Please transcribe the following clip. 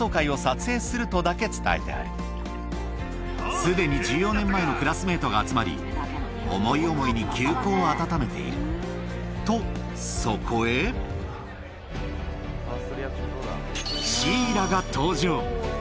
すでに１４年前のクラスメートが集まり思い思いに旧交を温めているとそこへん？